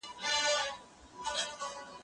زه به ليک لوستی وي؟